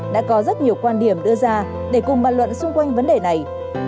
đã có rất nhiều quan điểm đưa ra để cùng bàn luận xung quanh vấn đề này